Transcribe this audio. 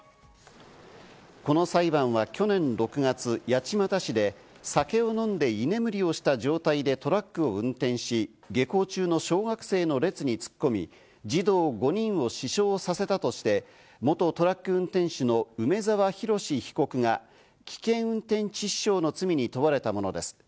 この裁判は去年６月、八街市で酒を飲んで居眠りをした状態でトラックを運転し、下校中の小学生の列に突っ込み、児童５人を死傷させたとして元トラック運転手の梅沢洋被告が危険運転致死傷の罪に問われたものです。